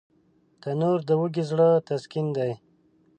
تنور د وږي زړه تسکین دی